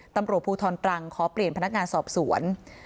ตำรวจภูทรตรังขอเปลี่ยนพนักงานสอบสวน